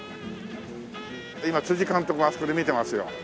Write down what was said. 今監督があそこで見てますよ。